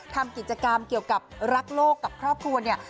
ทำกิจกรรมเกี่ยวกับรักโลกกับครอบครัวเนี่ย